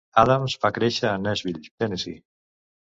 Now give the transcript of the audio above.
Addams va créixer a Nashville, Tennessee.